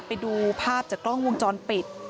ไปดูภาพจากกล้องวงจรปิด